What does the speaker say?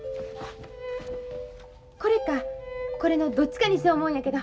これかこれのどっちかにしよ思うんやけど。